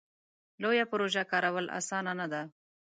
لویه پروژه کارول اسانه نه ده.